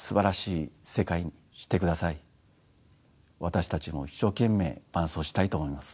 私たちも一生懸命伴走したいと思います。